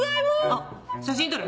あっ写真撮る？